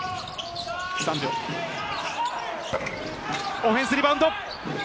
オフェンスリバウンド！